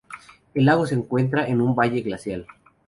El lago se encuentra en un valle glacial.